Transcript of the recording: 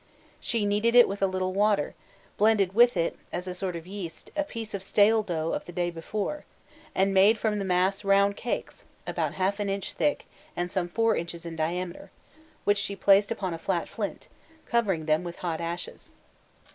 She kneaded it with a little water, blended with it, as a sort of yeast, a piece of stale dough of the day before, and made from the mass round cakes, about half an inch thick and some four inches in diameter, which she placed upon a flat flint, covering them with hot ashes.